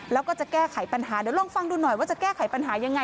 แล้วก็จะแก้ไขปัญหาเดี๋ยวลองฟังดูหน่อยว่าจะแก้ไขปัญหายังไง